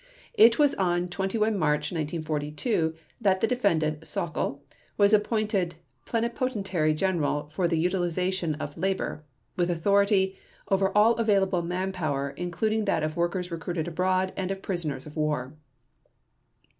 It was on 21 March 1942 that the Defendant Sauckel was appointed Plenipotentiary General for the Utilization of Labor, with authority over "all available manpower, including that of workers recruited abroad, and of prisoners of war".